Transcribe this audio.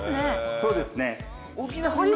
そうですね。